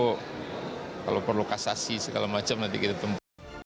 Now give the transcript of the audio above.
kalau perlu kasasi segala macam nanti kita tempuh